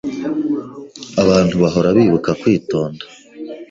Abantu bahora bibuka kwitonda